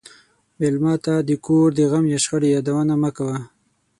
مېلمه ته د کور د غم یا شخړې یادونه مه کوه.